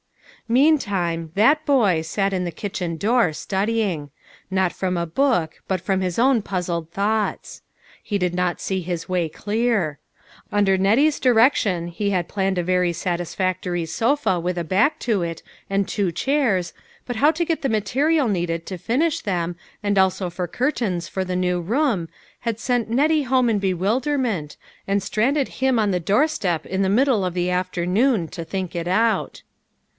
Meantime, " that boy " sat in the kitchen door, studying. Not from a book, but from his own puzzled thoughts. He did not see his way clear. Under Nettie's direction he had planned a very satisfactory sofa with a back to it, and two chairs, but how to get the material needed to finish them, and also for curtains for the new room, had sent Nettie home in bewilderment, and stranded HOW IT SUCCEEDED. 113 him on the doorstep in the middle of the after noon to think it out.